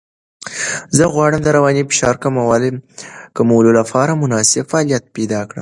زه غواړم د رواني فشار کمولو لپاره مناسب فعالیت پیدا کړم.